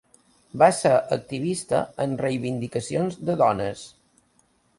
Va ser activista en reivindicacions de dones.